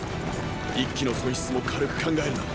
一騎の損失も軽く考えるな。